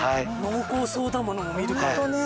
濃厚そうだもの見るからに。